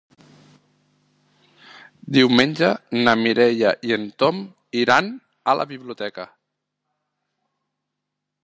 Diumenge na Mireia i en Tom iran a la biblioteca.